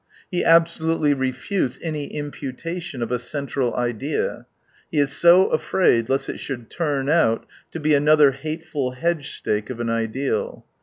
He absoluiely re futes any imputation of a central idea^ He is so afraid lest it should turn out to be another hateful hedge stake of an ideal.